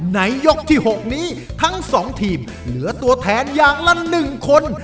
ในยกที่๖นี้ทั้ง๒ทีมเหลือตัวแทนอย่างละ๑คน